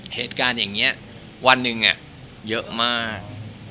เหตุการณ์เด็ดกันอย่างนี้วันนึงเยอะมาก